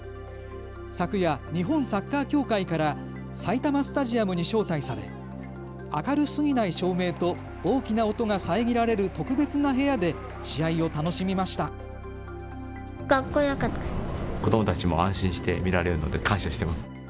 昨夜、日本サッカー協会から埼玉スタジアムに招待され明るすぎない照明と大きな音が遮られる特別な部屋で試合を楽しみました。